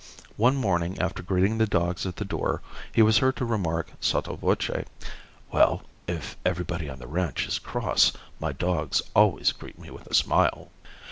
One morning after greeting the dogs at the door, he was heard to remark sotto voce. "Well, if everybody on the ranch is cross, my dogs always greet me with a smile."